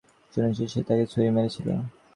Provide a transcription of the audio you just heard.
শুনেছি সে তাকে ছুরি মেরেছিল।